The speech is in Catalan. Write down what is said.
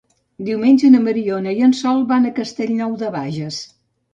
Diumenge na Mariona i en Sol van a Castellnou de Bages.